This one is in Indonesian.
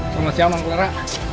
sama si aman clara